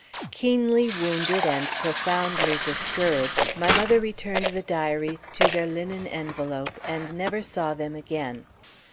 Keenly wounded and profoundly discouraged, my mother returned the diaries to their linen envelope, and never saw them again.